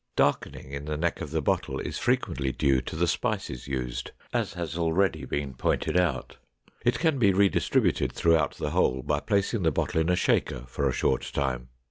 Darkening in the neck of the bottle is frequently due to the spices used, as has already been pointed out. It can be redistributed throughout the whole by placing the bottle in a shaker for a short time.